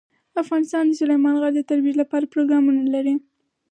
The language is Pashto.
افغانستان د سلیمان غر د ترویج لپاره پروګرامونه لري.